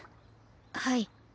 はい。